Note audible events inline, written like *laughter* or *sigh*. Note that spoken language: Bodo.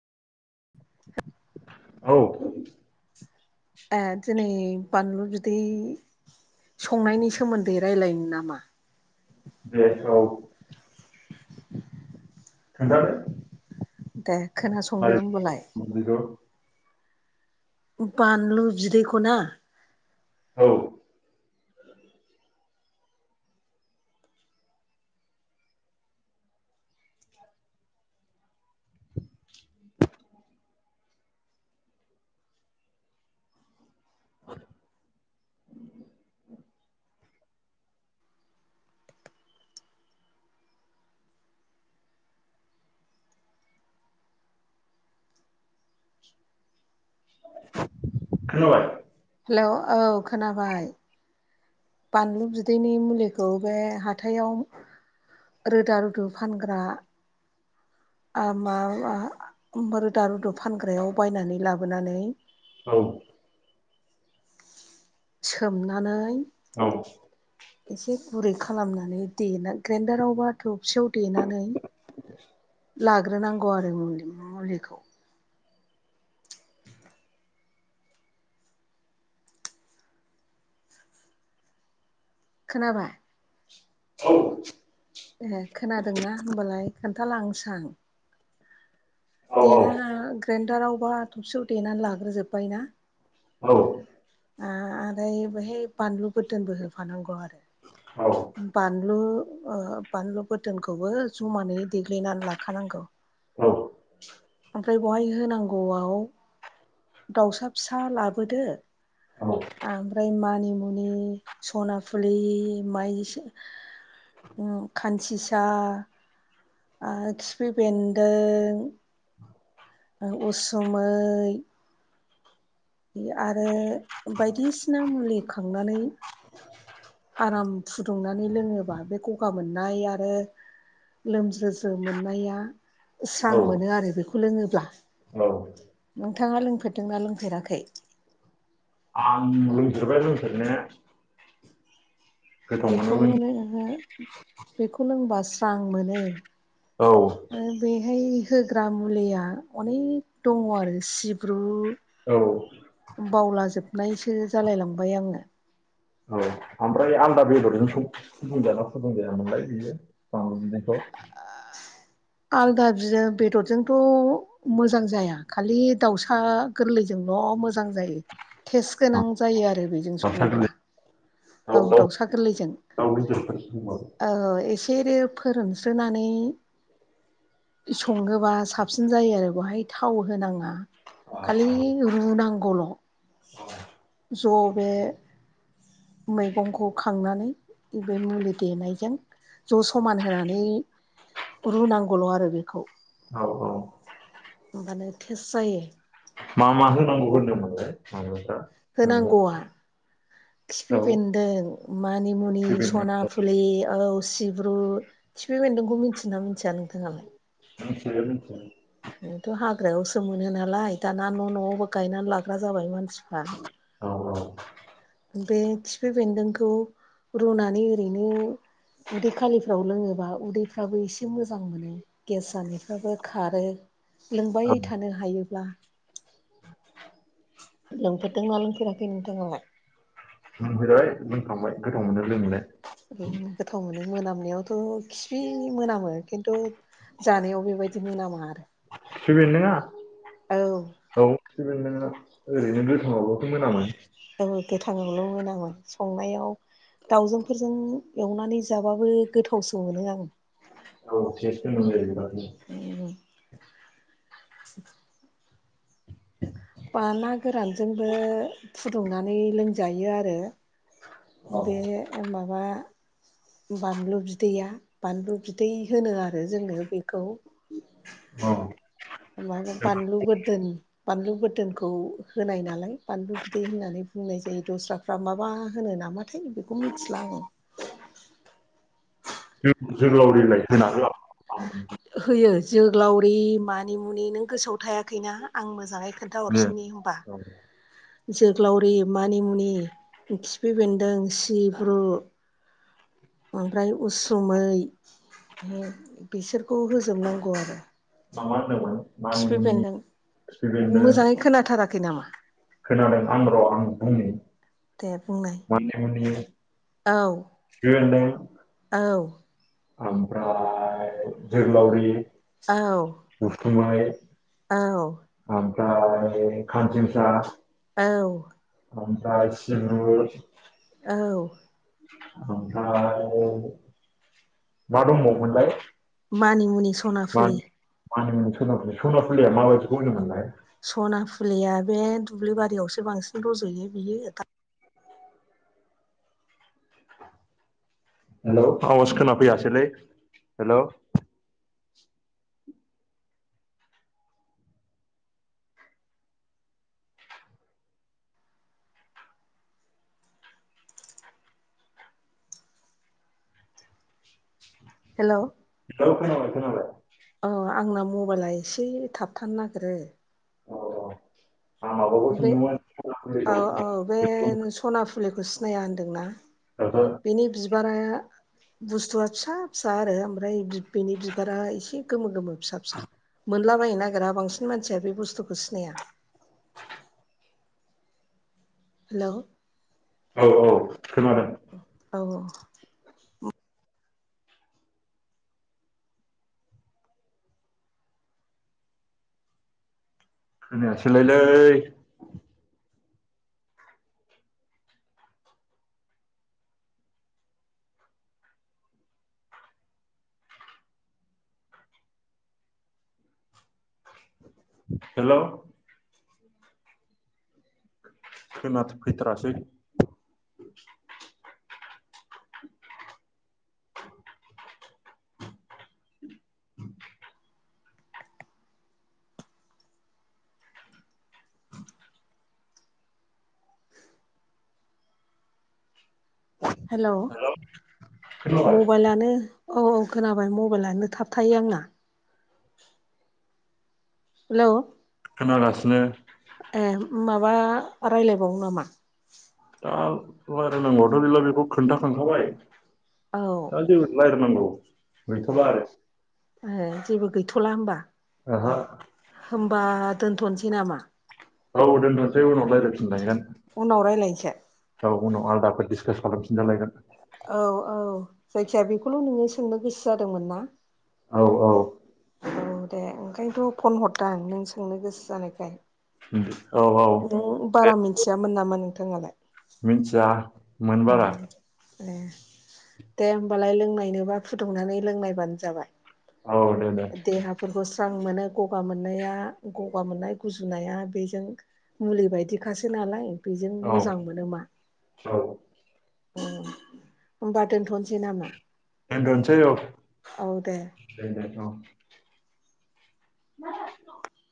औ *inaudible* ए दिनै बानलु बिदै संनायनि सोमोन्दै रायलायनो नामा? दे औ खोनथादो दे खोनासंदो होमबालाय *unintelligible* बानलु बिदैखौना औ *unintelligible* खोनाबाय हेलौ औ खोनाबाय बानलु बिदैनि मुलिखौ बे हाथायाव रोदा रुदु फानग्रा ओ मा ओ रोदा रुदु फानग्रायाव बायनानै लाबोनानै औ सोमनानै औ एसे गुरै खालामनानै देेना ग्रेडाराव बा थबसियाव देनानै लाग्रोनांगौ आरो मुलि मुलिखौ खोनाबाय? औ खोन्थालांसां औ देना ला ग्रेन्डाराव बा थबसियाव देनानै लाग्रोजोब्बाय ना औ ओ आरै बेहाय बानलु बोदोनबो होफानांगौ आरो । बानलु ओ बानलु बोदोनखौबो जमानै देग्लिनानै लाखानांगौ। ओमफ्राय बहाय होनांगौआव दाउसा फिसा लाबोदो औ आमफ्राय मानिमुनि, सनाफुलि, माइ सो ओ खान्सिसा, आ खिफि बेन्दों ओ उसुमै आरो बायदिसिना मुलि खांनानै आराम फुदुंनानै लोङोबा बे गगा मोननाय आरो लोमज्रोज्रो मोननाया स्रां औ मोनो आरो बेखौ लोङोब्ला। औ नोंथाङा लोंफेरदोंना लोंफेराखै? खै? आं लोंफेरबाय लोंफेरनाया। बेखौ मोनो नोङो बेखौ लोंबा स्रां मोनो। औ। बैहाय होग्रा मुलैया अनेग दङ आरो सिब्रु औ। बावलाजोबनायसो जालायलांबाय आङो। औ ओमफ्राय आलदा बेदरजों सं फुदुं जाना फुदुं जाया मोनलाय बियो बांलु बिदैखौ? आलदा बि बेदरजोंथ' मोजां जाया खालि दाउसा गोरलैजोंल' मोजां जायो टेस्ट गोनां जायो आरो बि जों दाउसा सङोब्ला। गोरलै दाउ औ दाउ दाउसा गोरलैजों। *unintelligible* सेरे फोरोंस्रोना नै सङोबा साबसिन जायो आरो बहाय थाव होनाङा खालि रुनांगौल'। ज' बे मैगंखौ खांनानै इबे मुलि देनायजों ज' समान होनानै रुनांगौल' आरो बेखौ औ होमबानो थेस्ट जायो। मा मा होनांगौ होनदोंमोनलाय *unintelligible* मैगं होनांगौवा खिफि औ बेन्दों मानि मुनि, स'ना केबेनाखौ फुलि औ सिब्रु खिफि बेन्दोंखौ मिथियो ना मिथिया नोंथाङालाय? मिथियां। बेथ' हाग्रायावसो मोनो नालाय दाना न' न'आवबो गायनानै लाग्रा जाबाय मानसिफ्रा। औ बे खिफि बेन्दोंखौ रुनानै ओरैनो उदै खालिफ्राव लोङोबा उदैफ्राबो एसे मोजां मोनो गेस जानायफ्राबो खारो लोंबाय औ थानो हायोब्ला। लोंफेरदों ना लोंफेराखै नोंथांङालाय? लोंफेरबाय लोंखांबाय गोथाव मोनो लोंनोलाय उम गोथाव मोनो मोनामनायावथ' खिफि मोनामो खिन्थु जानायाव बेबायदि मोनामा आरो। खिफि बेन्दोङा? औ खिफि बेन्दोङा। ओरैनो गोथाङावबोथ' मोनामो? औ गोथाङावल' मोनामोन आङो ‌संनायाव दाावजोंफोरजों एवनानै जाबाबो गोथावसो मोनो आङो। औ टेस्ट दोङो जाहैबायना। *inaudible* बा ना गोरानजोंबो फुदुंनानै लोंजायो आरो। औ बे माबा बानलु बिदैया बानलु बिदै होनो आरो जोङो बेखौ। औ *unintelligible* बानलु बोरदोन बानलु गोरदोनखौ होनाय नालाय बानलु बिदै होननानै बुंनाय जायो दस्राफ्रा माबा होनो नामाथाय बेखौ मिथिला आङो। *unintelligible* होयो । जोग्लावरि मानिमुनि नों गोसोआव थायाखैना आं मोजाङै नो खोन्थाहरफिननि होनबा औ जोग्लावरि मानिमुनि खिफि बेन्दों सिब्रु ओमफ्राय उसुमै बिसोर खौ होजोबनांगौ आरो। मा मा होनदोंमोन खिफि मानिमुनि खिफि बेन्दों बेन्दों मोजाङै खोनाथाराखै नामा? खोनादों आं र' आं बुंनि । दे। बुंनाय मानि मुनि औ। *unintelligible* औ। जोग्लावरि औ। *unintelligible* औ। ओमफाय खानसिनसा औ। आमफ्राय सिब्रु औ। ओमफ्राय मा दंबावमोनलाय मानि मुनि सनाफुलि मानि मुनि सना फुलि सना फुलिया माबादिखौ होनोमोनलाय? सना फुलिया बे दुब्लि बारियावसो बांसिन रज'यो बियो। आवाज खोनाफैयासैलै हेल'। हेल'। औ खोनाबाय खोनाबाय। आंना मबाइला एसे थाबथानो नागिरो । औ औ। आं माबाखौ बे सोंदोंमोन सनाफुलिखौ औ औ बे सना फु फुलिखौ सिनाया होनदोंना? ओहो बेनि बिबारा बुस्थुआ फिसा फिसा आरो ओमफ्राय बेनि बिबारा एसे गोमो गोमो । फिसा फिसा मोन नुलाबायनो नागिरा बांसिन मानसिया बे बुस्थुखौ सिनाया । हेल'। औ औ खोनादों। औ। खोनायासै लायलै हेल'। खोना फैथारासै । हेलौ‌ हेलौ खोनाबाय मबाइलानो औ औ खोनाबाय मबाइलानो थाब थायो आंना हेलौ खोनागासिनो ए माबा रायलायबावो नामा? दा रायलायनांगौआथ' गैला बेखौ खोनथाखांखाबाय औ दा जेबो रायलायनांगौ गैथला आरो ए जेबो गैथ'ला होमबा ओहो बा दोनथ'नोसै नामा औ दोननोसै उनाव रायलायफिनलायगोन उनाव रायलायनोसै औ उनाव आलदाफोर डिसकास खालामसै। जालायगोन औ औ जायखिजाया बेखौल' नोङो सोंनो गोसो जादोंमोन ना? औ औ औ दे ओंखायनोथ' फन हरदां नों सोंनो गोसो जानायखाय औ औ नों बारा मिथियामोन नामा नोंथाङालाय मिन्थिया मोन उम बारा ए दे होमबालाय लोंनायनोबा फुदुंनानै लोंनायबानो जाबाय। औ दे दे देहाफोरखौ स्रां मोनो गगा मोननाया गगा मोननाय गुजुनाया बेजों मुलि बायदिखासो नालाय बेजों औ मोजां मोनो मा औ होमबा दोनथ'नोसै नामा दोनथ'सै औ औ दे *unintelligible* *inaudible*